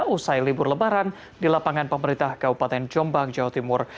usai libur lebaran di lapangan pemerintah kabupaten jombang jawa timur